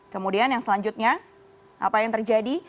kemudian yang selanjutnya apa yang terjadi